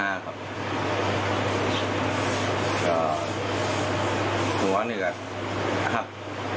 อาศิบรับจ้างก่อนไปนะครับ